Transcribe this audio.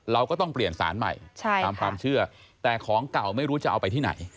เราก็ต้องเปลี่ยนสารใหม่ตามความเชื่อแต่ของเก่าไม่รู้จะเอาไปที่ไหน